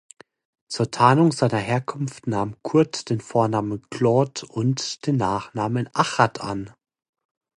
Zur Tarnung seiner Herkunft nahm Kurt den Vornamen Claude und den Nachnamen Achard an.